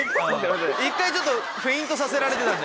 １回ちょっとフェイントさせられてた今。